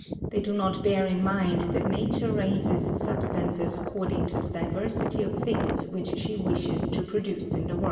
They do not bear in mind that nature raises substances according to the diversity of things which she wishes to produce in the world.